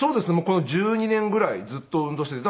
この１２年ぐらいずっと運動してて。